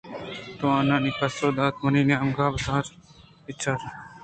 تُوتی ءَ پسّہ دات منی نیمگ ءَ بُرز ءَ بِہ چار بژّناکیں پِیشُو